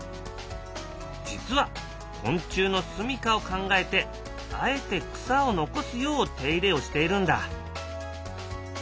実は昆虫のすみかを考えてあえて草を残すよう手入れをしているんだ。